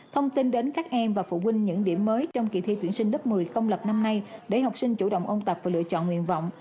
thông tin đến các em và phụ huynh những điểm mới trong kỳ thi tuyển sinh lớp một mươi công lập năm nay để học sinh chủ động ôn tập và lựa chọn nguyện vọng